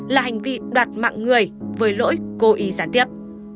là hành vi đoạt mạng người với lỗi cố ý gián tiếp